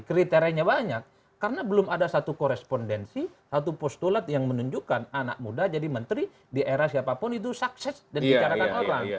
kriterianya banyak karena belum ada satu korespondensi satu postulat yang menunjukkan anak muda jadi menteri di era siapapun itu sukses dan bicarakan orang